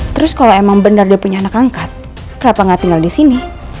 terus kalau emang bener dia punya anak angkat kenapa gak tinggal disini